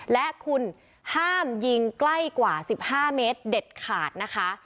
และคุณห้ามยิงใกล้กว่า๑๕เมตรเด็ดขาดนะคะ